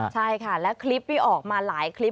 ใช่ค่ะและคลิปนี้ออกมาหลายคลิป